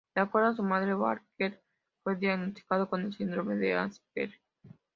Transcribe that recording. De acuerdo a su madre, Walker fue diagnosticado con el Síndrome de Asperger.